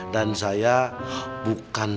dan saya bukan